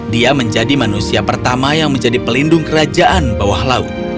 dia menjadi manusia pertama yang menjadi pelindung kerajaan bawah laut